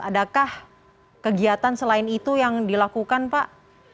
adakah kegiatan selain itu yang dilakukan pak